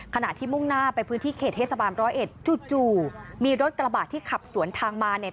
ขณะที่มุ่งหน้าไปพื้นที่เขตเทศบาลร้อยเอ็ดจู่มีรถกระบาดที่ขับสวนทางมาเนี่ย